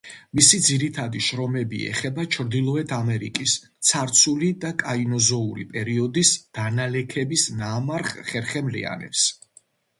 მისი ძირითადი შრომები ეხება ჩრდილოეთ ამერიკის ცარცული და კაინოზოური პერიოდის დანალექების ნამარხ ხერხემლიანებს.